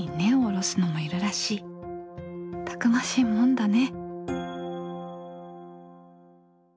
たくましいもんだね！